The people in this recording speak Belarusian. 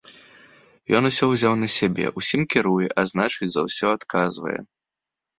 Ён усё ўзяў на сябе, усім кіруе, а значыць, за ўсё адказвае.